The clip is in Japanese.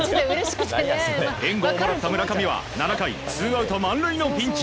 援護をもらった村上は７回ツーアウト満塁のピンチ。